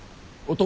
男？